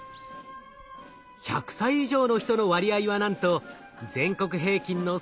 １００歳以上の人の割合はなんと全国平均の３倍以上！